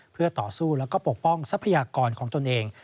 เพื่อต่อสู้แล้วก็ปกป้องทรัพยากรของตนเอง